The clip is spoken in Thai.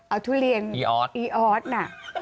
เอาทุเรียนอีออสน่ะ